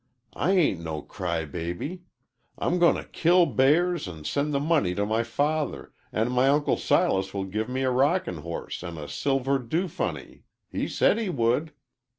I ain't no cry baby. I'm going to kill bears and send the money to my father, an' my Uncle Silas will give me a rocking horse an' a silver dofunny he said he would."